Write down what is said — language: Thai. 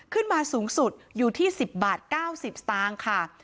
ขึ้นมาสูงสุดอยู่ที่๑๐บาท๙๐สตางค์ค่ะ